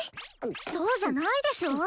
そうじゃないでしょ。